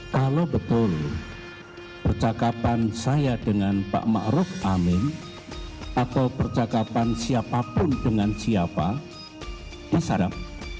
kalau betul percakapan saya dengan pak ⁇ maruf ⁇ amin atau percakapan siapapun dengan siapa disadap